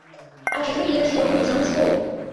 After three years he opened his own school.